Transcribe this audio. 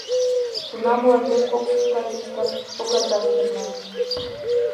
тунам мыланем кок сутка тыштак когаргаш перна.